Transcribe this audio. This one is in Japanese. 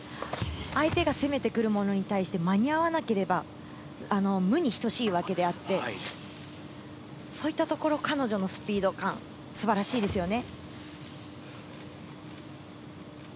相手が攻めてくるものに対して、間に合わなければ、無に等しいわけであって、そういったところ彼女のスピード感、素晴らしいですよね。